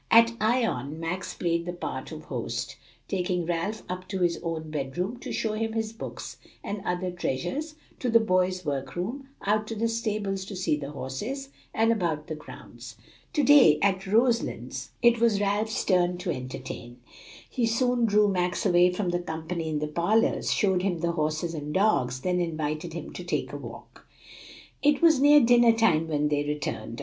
At Ion, Max played the part of host, taking Ralph up to his own bedroom to show him his books and other treasures, to the boys' work room, out to the stables to see the horses, and about the grounds. To day, at Roselands, it was Ralph's turn to entertain. He soon drew Max away from the company in the parlors, showed him the horses and dogs, then invited him to take a walk. It was near dinner time when they returned.